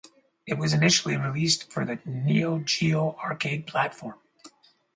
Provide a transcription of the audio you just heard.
It was initially released for the Neo Geo arcade platform.